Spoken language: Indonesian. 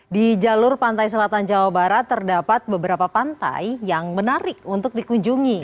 di jalur pantai selatan jawa barat terdapat beberapa pantai yang menarik untuk dikunjungi